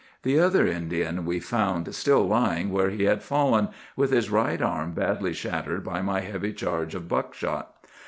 The other Indian we found still lying where he had fallen, with his right arm badly shattered by my heavy charge of buck shot.